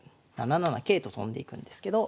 ７七桂と跳んでいくんですけど。